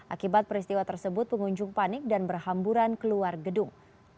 akibat peristiwa tersebut pengunjung panik dan berhamburan keluar gedung